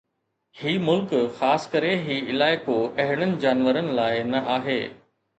هي ملڪ خاص ڪري هي علائقو اهڙن جانورن لاءِ نه آهي